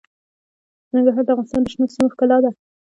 ننګرهار د افغانستان د شنو سیمو ښکلا ده.